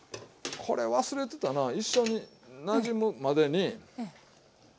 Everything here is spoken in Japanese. これ忘れてたな一緒になじむまでに。